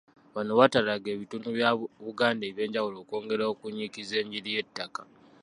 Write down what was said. Bano batalaaga ebitundu bya Buganda ebyenjawulo okwongera okunnyikiza enjiri y'ettaka.